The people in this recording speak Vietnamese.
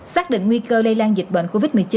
xác định nguy cơ lây lan dịch bệnh covid một mươi chín